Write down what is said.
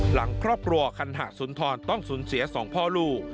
หลังครอบครัวคันหะสุนทรต้องสูญเสีย๒พ่อลูก